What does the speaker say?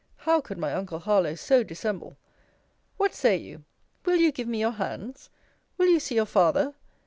how could my uncle Harlowe so dissemble?] What say you? Will you give me your hands? Will you see your father?